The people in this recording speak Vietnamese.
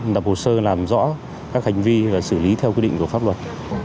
lập hồ sơ làm rõ các hành vi và xử lý theo quy định của pháp luật